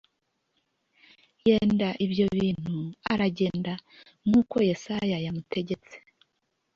yenda ibyo bintu aragenda nk’uko Yesayi yamutegetse